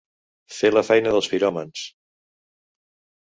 Fer la feina dels piròmans.